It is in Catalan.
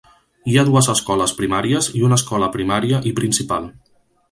Hi ha dues escoles primàries i una escola primària i principal.